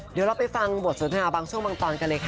เดี๋ยวเราไปฟังบทสนทนาบางช่วงบางตอนกันเลยค่ะ